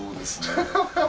ハハハハ！